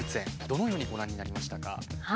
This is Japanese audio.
どのようにご覧になりましたか？